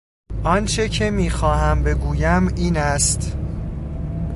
آنچه که میخواهم بگویم این است...